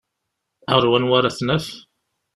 Ar wanwa ara t-naf?